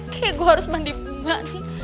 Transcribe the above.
kayak gue harus mandi bunga nih